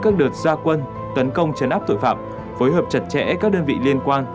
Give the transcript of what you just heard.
các đợt gia quân tấn công chấn áp tội phạm phối hợp chặt chẽ các đơn vị liên quan